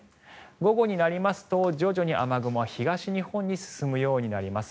午後になりますと徐々に雨雲は東日本に進むようになります。